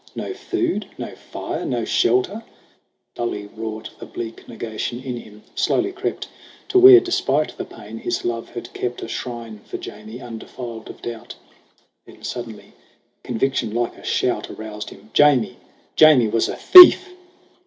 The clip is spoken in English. No food, no fire, no shelter ! Dully wrought The bleak negation in him, slowly crept To where, despite the pain, his love had kept A shrine for Jamie undefiled of doubt. Then suddenly conviction, like a shout, Aroused him. Jamie Jamie was a thief!